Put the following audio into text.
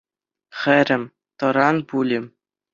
Хӗрӗм, тӑран пулӗ.